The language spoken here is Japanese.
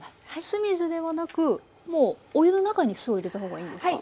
酢水ではなくもうお湯の中に酢を入れた方がいいんですか？